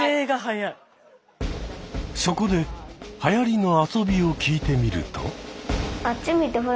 そこではやりの遊びを聞いてみると。